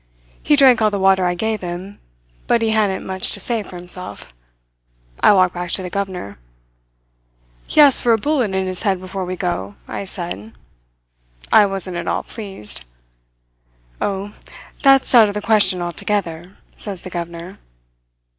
He drank all the water I gave him, but he hadn't much to say for himself. I walked back to the governor. "'He asks for a bullet in his head before we go,' I said. I wasn't at all pleased. "'Oh, that's out of the question altogether,' says the governor.